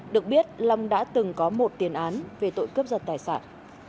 được biết long đã từng có một tiền án về tội cướp giật tài sản